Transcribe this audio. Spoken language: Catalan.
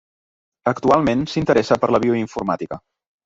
Actualment s'interessa per la bioinformàtica.